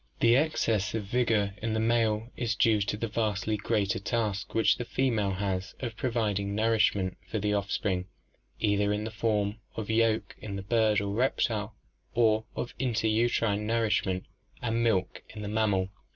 The excess of vigor in the male is due to the vastly greater task which the female has of providing nourishment for the offspring, either in the form of yolk in bird or reptile, or of interuterine nour ishment and milk in the mammal.